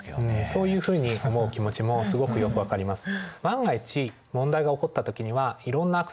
そういうふうに思う気持ちもすごくよく分かります。